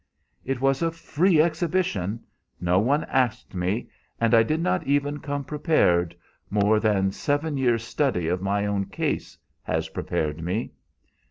"It was a free exhibition! No one asked me, and I did not even come prepared, more than seven years' study of my own case has prepared me.